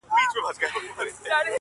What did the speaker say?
د هندوستان نجوني لولي بند به دي کړینه،